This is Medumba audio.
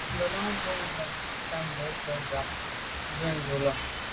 Ŋgə̀lâŋ brʉ́n nǔm sə̂' taba'ké mbá à nkrə̌ ndʉ́ kǎ.